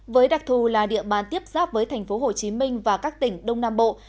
với đặc thù là địa bàn tiếp giáp với thành phố hồ chí minh và các tỉnh đông nam bộ